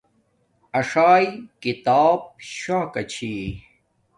اݽاݵݵ کتاب شاکا چھی